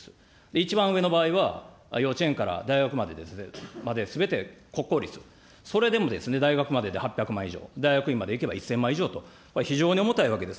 一番上の場合は、幼稚園から大学まですべて国公立、それでも大学までで８００万以上、大学院まで行けば１０００万以上と、非常に重たいわけです。